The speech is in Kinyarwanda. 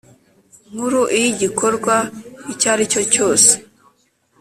Nkuru iyo igikorwa icyo aricyo cyose